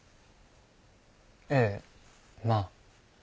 ええまあ。